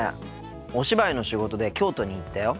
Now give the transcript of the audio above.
お芝居の仕事で京都に行ったよ。